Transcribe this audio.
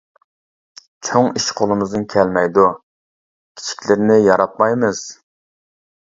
چوڭ ئىش قولىمىزدىن كەلمەيدۇ، كىچىكلىرىنى ياراتمايمىز.